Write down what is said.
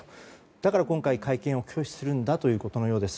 だから、今回会見を拒否するんだということのようです。